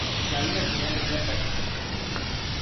நல்ல குணம் உள்ள பெண்.